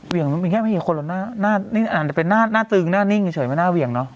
เวียงมันแค่มีคนล่ะน่าตึงน่านิ่งเฉยน่าเวียงเนอะ